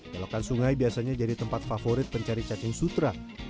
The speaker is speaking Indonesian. belokan sungai biasanya jadi tempat favorit pencari cacing sutra